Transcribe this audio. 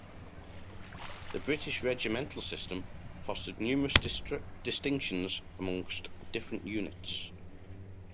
The British regimental system fostered numerous distinctions amongst different units.